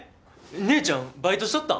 姉ちゃんバイトしとったん？